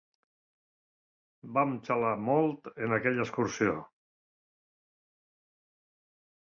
Vam xalar molt, en aquella excursió.